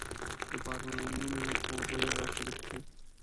د بارانونو اوبه یې راټولې کړې وې.